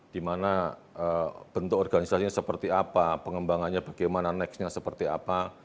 dimana bentuk organisasinya seperti apa pengembangannya bagaimana nextnya seperti apa